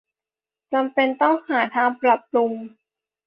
จำเป็นต้องหาทางปรับปรุง